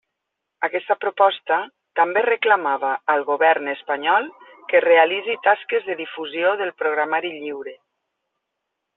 Aquesta proposta també reclamava al Govern espanyol que realitzi tasques de difusió del programari lliure.